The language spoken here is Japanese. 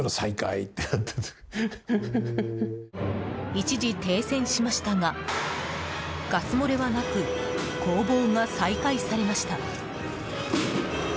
一時停戦しましたがガス漏れはなく攻防が再開されました。